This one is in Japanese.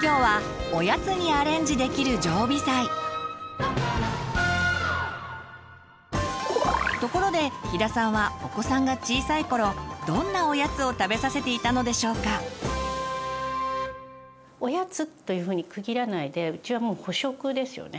今日はところで飛田さんはお子さんが小さい頃どんなおやつを食べさせていたのでしょうか？おやつというふうに区切らないでうちはもう補食ですよね。